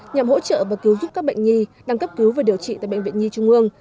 nhằm hỗ trợ và cứu giúp các bệnh nhi đang cấp cứu và điều trị tại bệnh viện nhi trung ương